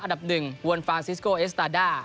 อันดับหนึ่งวนฟานซิสโกเอสตาด้า